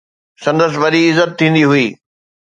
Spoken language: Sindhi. سندس وڏي عزت ٿيندي هئي.